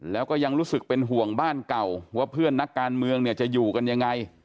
แล้วก็ยังรู้สึกเป็นห่วงบ้านเก่าว่าเพื่อนนักการเมืองเนี่ยจะอยู่กันยังไง